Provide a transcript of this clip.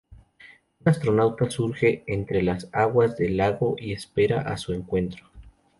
Un astronauta surge entre las aguas del lago y espera a su encuentro.